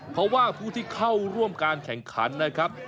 เพราะว่าผู้ที่เข้าร่วมการแข่งขันนะครับ